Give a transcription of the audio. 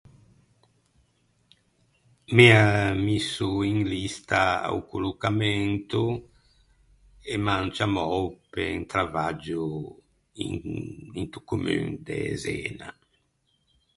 M’ea misso in lista a-o collocamento, e m’an ciammou pe un travaggio in- into commun de de Zena.